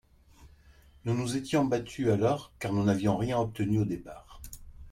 Nous nous étions battus alors, car nous n’avions rien obtenu au départ.